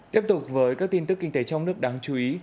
tiếp tục với các tin tức kinh tế trong nước đáng chú ý